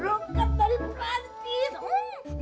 bro kan dari prancis